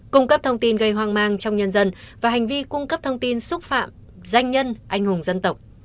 cung cấp thông tin gây hoang mang trong nhân dân và hành vi cung cấp thông tin xúc phạm danh nhân anh hùng dân tộc